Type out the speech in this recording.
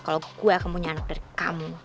kalau gue kamu punya anak dari kamu